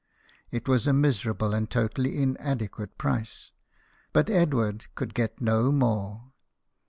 It was a miserable and totally inade quate price, but Edward could get no more.